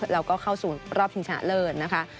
แล้วก็เข้าสู่รอบชิงชนะเลิศนะคะ